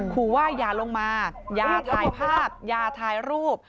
ขู่ว่ายาลงมายาถ่ายภาพยาถ่ายรูป